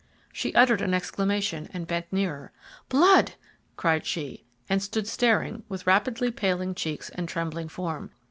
She uttered an exclamation and bent nearer. "Blood!" cried she, and stood staring, with rapidly paling cheeks and trembling form.